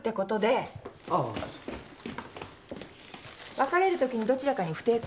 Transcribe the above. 別れるときにどちらかに不貞行為